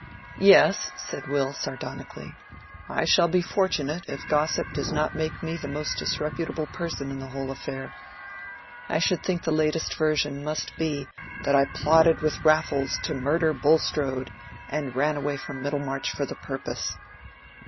"Yes," said Will, sardonically. "I shall be fortunate if gossip does not make me the most disreputable person in the whole affair. I should think the latest version must be, that I plotted with Raffles to murder Bulstrode, and ran away from Middlemarch for the purpose."